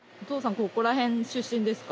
ここら辺出身ですか？